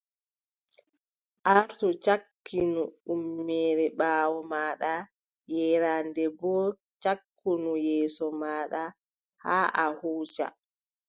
Artu cakkinu ƴummere ɓaawo maaɗa, yeeraande boo cakkinu yeeso maaɗa haa a huuca.